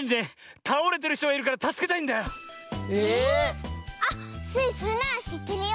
ええ⁉あっスイそれならしってるよ。